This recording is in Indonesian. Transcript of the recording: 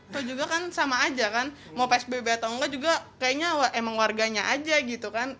atau juga kan sama aja kan mau psbb atau enggak juga kayaknya emang warganya aja gitu kan